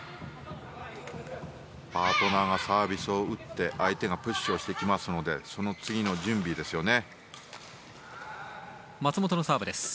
パートナーがサービスを打って相手がプッシュしてきますのでその次の準備ですよね。